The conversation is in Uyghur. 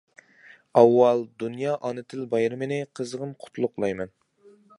ئاۋۋال دۇنيا ئانا تىل بايرىمىنى قىزغىن قۇتلۇقلايمەن!